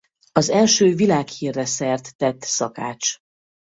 Az első világhírre szert tett szakács.